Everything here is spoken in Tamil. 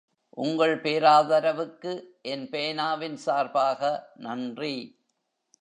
உங்கள் பேராதரவுக்கு என் பேனாவின் சார்பாக நன்றி.